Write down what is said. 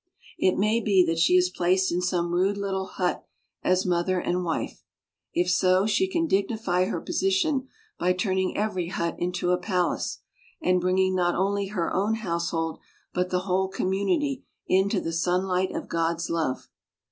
It may be that she is placed in some rude little hut as mother and wife; if so, she can dig nify her position by turning every hut into a palace, and bringing not only her own household, but the whole community, into the sunlight of God's love.